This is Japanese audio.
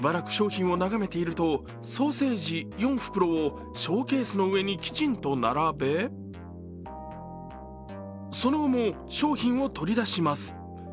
しばらく商品を並べているとソーセージ４袋をショーケースの上にきんちと並べその後、商品を取り出します。